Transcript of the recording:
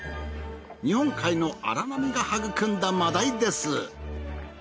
日本海の荒波が育んだ真鯛です。